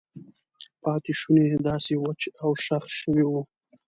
پاتې شونې یې داسې وچ او شخ شوي وو.